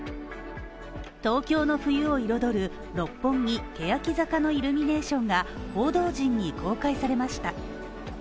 東京の冬を彩る六本木けやき坂のイルミネーションが報道陣に公開されました。